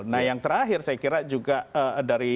nah yang terakhir saya kira juga dari